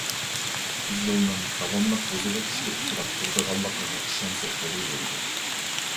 تۈز يولنىڭ داۋاملىق بۇزۇۋېتىشكە ئۇچراپ تۇرۇدىغانلىقىغا ئىشەنسەك بولىۋېرىدۇ.